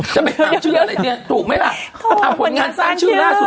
จะไปถามชื่ออะไรเนี้ยถูกไหมล่ะโถผลงานสร้างชื่ออ่ะผลงานสร้างชื่อล่าสุด